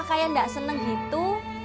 kayak enggak senang gitu